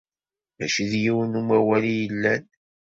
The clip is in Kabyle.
Mačči d yiwen n umawal i yellan.